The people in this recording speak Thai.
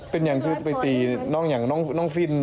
เป็นอย่างคือไปตีน้องน้องฟินบ่